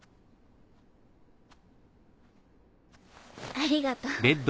ありがとう。